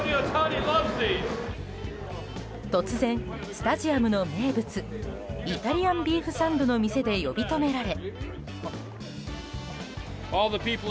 突然、スタジアムの名物イタリアンビーフサンドの店で呼び止められ。